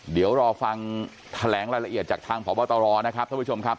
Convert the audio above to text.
เดี๋ยวรอฟังแถลงรายละเอียดจากทางพบตรนะครับท่านผู้ชมครับ